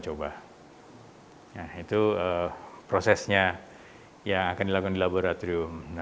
jika anda sekarang mungkin tidak belajar istri aikman saya